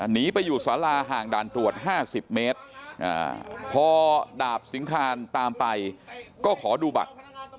หนีไปอยู่สาราห่างด่านตรวจ๕๐เมตรพอดาบสิงคารตามไปก็ขอดูบัตร